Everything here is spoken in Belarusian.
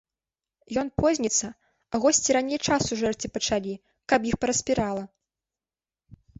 Ён позніцца, а госці раней часу жэрці пачалі, каб іх параспірала.